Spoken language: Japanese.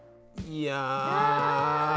いや！